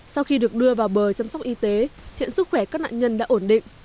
sau khi được đưa vào bờ chăm sóc y tế hiện sức khỏe các nạn nhân đã ổn định